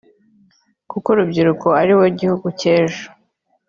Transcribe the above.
kuko urubyiruko aribo gihugu cy’ejo